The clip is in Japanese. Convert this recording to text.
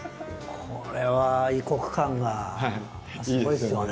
これは異国感がすごいですよね。